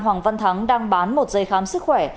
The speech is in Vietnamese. hoàng văn thắng đang bán một dây khám sức khỏe